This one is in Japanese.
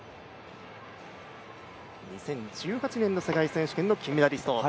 ２０１８年の世界選手権の金メダリスト。